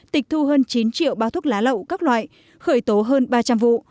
tịch thu hơn chín triệu bao thuốc lá lậu các loại khởi tố hơn ba trăm linh vụ